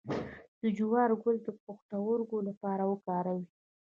د جوار ګل د پښتورګو لپاره وکاروئ